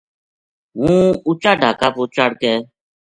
ہوں اُچا ڈھاکا پو چڑھ کے